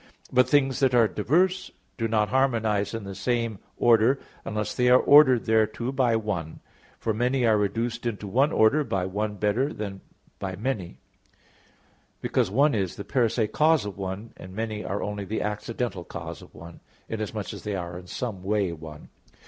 But things that are diverse do not harmonize in the same order, unless they are ordered thereto by one. For many are reduced into one order by one better than by many: because one is the per se cause of one, and many are only the accidental cause of one, inasmuch as they are in some way one.